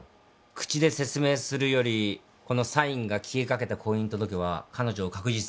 口で説明するよりこのサインが消えかけた婚姻届は彼女を確実に追い込むよ。